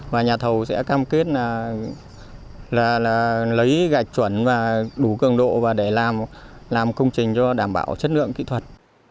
và nhà thầu sẽ cam kết là lấy gạch chuẩn và đủ cường độ và để làm công trình cho đảm bảo chất lượng kỹ thuật